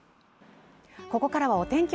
ここからはお天気